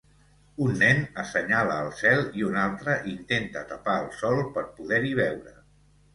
Un nen assenyala al cel i un altre intenta tapar el sol per poder-hi veure